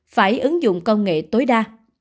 phải ứng dụng công nghệ tối đa